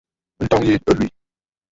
Ǹtɔ̀ŋgə̂ yi ɨ lwì.